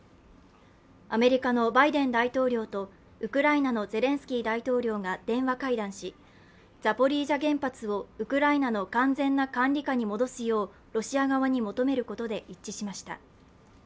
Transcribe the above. アメリカのバイデン大統領とウクライナのゼレンスキー大統領が電話会談し、ザポリージャ原発をウクライナの完全な管理下に戻すようロシア側に求めることで一致しました。